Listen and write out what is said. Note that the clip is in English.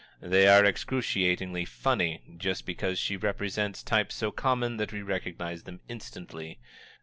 They are excruciatingly funny, just because she represents types so common that we recognize them instantly.